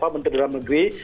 menteri dalam negeri